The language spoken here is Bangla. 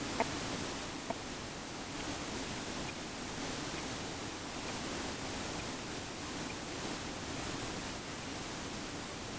সড়কের প্রবেশপথে মসজিদের পেছনে খালের বিস্তীর্ণ অংশজুড়ে দেখা যায় পরিত্যক্ত পলিথিনের আস্তরণ।